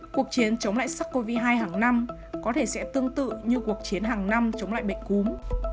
cuộc chiến chống lại sars cov hai hàng năm có thể sẽ tương tự như cuộc chiến hàng năm chống lại bệnh cúm